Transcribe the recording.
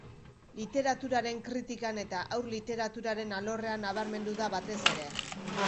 Literaturaren kritikan eta haur-literaturaren alorrean nabarmendu da, batez ere.